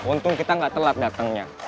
untung kita gak telat datangnya